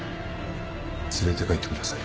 連れて帰ってください。